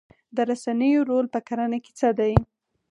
د رسنیو رول په کرنه کې څه دی؟